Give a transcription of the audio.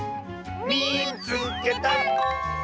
「みいつけた！」。